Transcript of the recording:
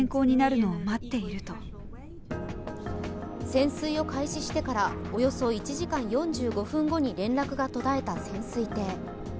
潜水を開始してからおよそ１時間４５分後に連絡が途絶えた潜水艇。